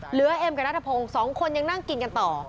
เอ็มกับนัทพงศ์สองคนยังนั่งกินกันต่อ